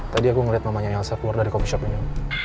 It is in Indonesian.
tadi aku ngeliat mamanya elsa keluar dari cokshop ini